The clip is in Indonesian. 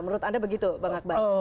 menurut anda begitu bang akbar